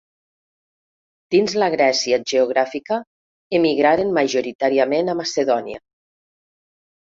Dins la Grècia geogràfica, emigraren majoritàriament a Macedònia.